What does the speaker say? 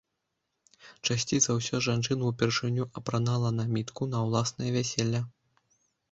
Часцей за ўсё жанчына ўпершыню апранала намітку на ўласнае вяселле.